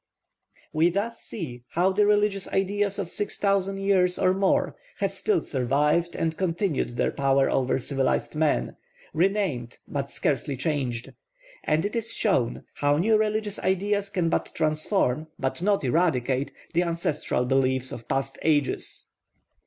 We thus see how the religious ideas of six thousand years or more have still survived and continued their power over civilised man, renamed but scarcely changed; and it is shown how new religious ideas can but transform, but not eradicate, the ancestral beliefs of past ages.